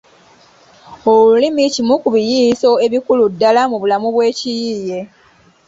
Olulimi kimu ku biyiiyiso ebikulu ddala mu bulamu bw’ekiyiiye.